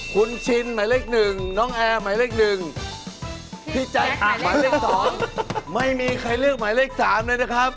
คุณชินไหมเลข๑น้องแอร์ไหมเลข๑